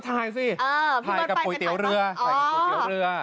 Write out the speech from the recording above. ถ่ายสิถ่ายกับปุ๋ยเตี๋ยวเรือ